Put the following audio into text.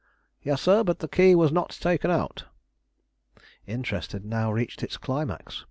"Yes, sir; but the key was not taken out." Interest had now reached its climax.